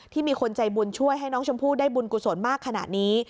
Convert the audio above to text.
มีคนใจบุญช่วยให้น้องชมพู่ได้บุญกุศลมากขนาดนี้